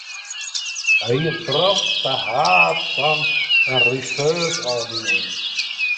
Hy hie it brocht ta haad fan in researchôfdieling.